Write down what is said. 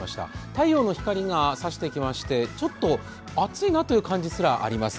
太陽の光が差してきましてちょっと暑いなという感じすらあります。